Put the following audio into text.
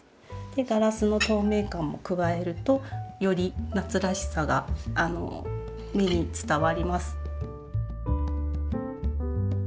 ガラスの透明感も加えるとより夏らしさが目に伝わります。